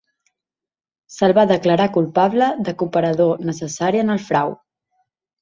Se’l va declarar culpable de cooperador necessari en el frau.